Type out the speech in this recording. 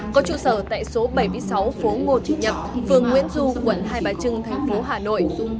có trụ sở tại số bảy mươi sáu phố ngô thị nhập phường nguyễn du quận hai bà trưng thành phố hà nội